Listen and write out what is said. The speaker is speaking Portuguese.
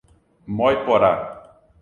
Moiporá